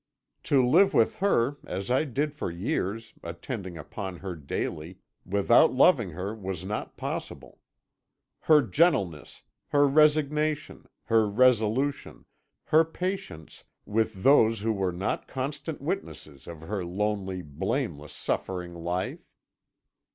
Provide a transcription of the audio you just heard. To live with her as I did for years, attending upon her daily without loving her was not possible. Her gentleness, her resignation, her resolution, her patience, were almost beyond belief with those who were not constant witnesses of her lonely, blameless, suffering life.